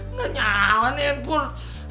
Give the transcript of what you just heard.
nggak nyala nen pun